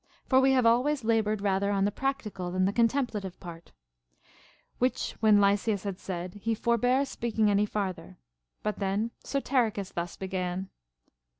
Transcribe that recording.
For we have always labored rather on the prac tical than the contemplative part. ΛVhich Λvhen Lysias had said, he forbare speaking any farther ; but then Sote richus thus began.